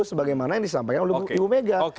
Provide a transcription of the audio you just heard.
sebagaimana yang disampaikan oleh bumega